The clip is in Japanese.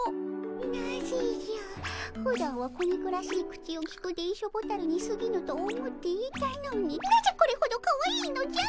なぜじゃふだんは小憎らしい口をきく電書ボタルにすぎぬと思っていたのになぜこれほどかわいいのじゃ！